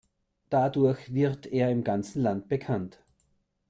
Dadurch wird er im ganzen Land bekannt.